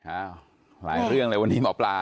อ้าวหลายเรื่องเลยวันนี้หมอปลา